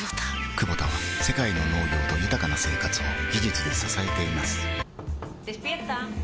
クボタは世界の農業と豊かな生活を技術で支えています起きて。